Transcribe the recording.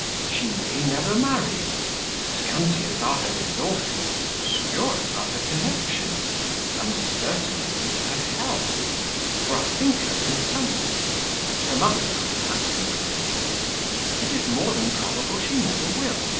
She may never marry; scanty as are her resources, obscure as are her connections, uncertain as is her health (for I think her consumptive, her mother died of that complaint), it is more than probable she never will.